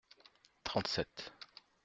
Trente-sept.